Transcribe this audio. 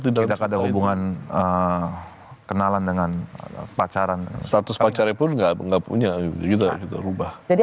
tidak ada hubungan kenalan dengan pacaran status pacarnya pun enggak punya gitu gitu rubah jadi